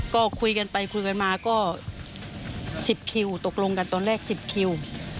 ก็คุยกันไปคุยกันมาก็๑๐คิวตกลงกันตอนแรก๑๐คิว